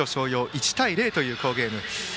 １対０という好ゲームでした。